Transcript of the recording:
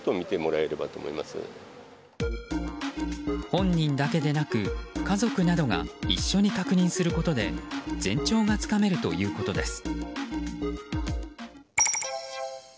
本人だけでなく家族などが一緒に確認することで前兆がつかめるということです。